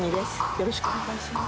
よろしくお願いします。